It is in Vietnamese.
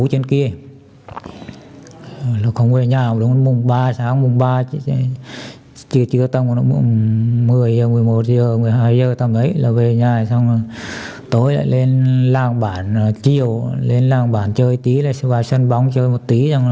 chiều lên làng bản chơi tí vào sân bóng chơi một tí